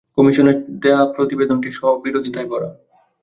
কমিশনের দেওয়া প্রতিবেদনটি স্ববিরোধিতায় ভরা।